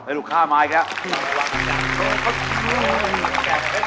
ลูกค้ามาอีกแล้ว